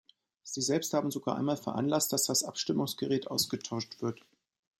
Sie selbst haben sogar einmal veranlasst, dass das Abstimmungsgerät ausgetauscht wird.